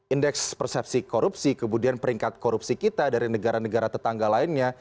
indeks persepsi korupsi kemudian peringkat korupsi kita dari negara negara tetangga lainnya